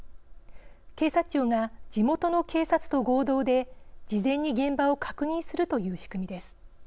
警察庁が地元の警察と合同で事前に現場を確認するという仕組みです。